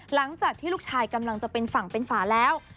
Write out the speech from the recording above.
หลังจากที่ลูกชายกำลังจะเป็นฝั่งเป็นฝาแล้ว